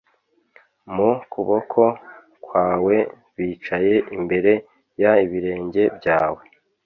mu kuboko kwawe Bicaye imbere y ibirenge byawe